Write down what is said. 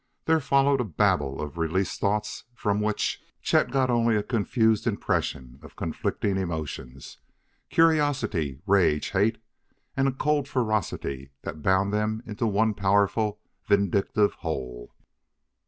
There followed a babel of released thoughts from which Chet got only a confused impression of conflicting emotions: curiosity, rage, hate, and a cold ferocity that bound them into one powerful, vindictive whole.